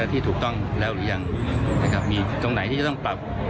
ที่ถูกต้องแล้วหรือยังนะครับมีตรงไหนที่จะต้องปรับ